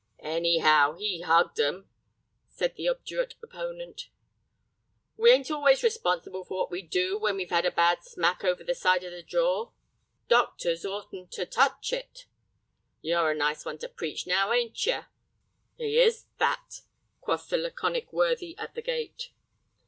"Anyhow, he hugged 'em," said the obdurate opponent. "We ain't always responsible for what we do when we've 'ad a bad smack over the side of the jaw." "Doct'rs oughtn't ter touch it." "You're a nice one to preach, now, ain't yer?" "He is that," quoth the laconic worthy at the gate.